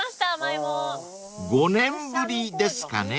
［５年ぶりですかね］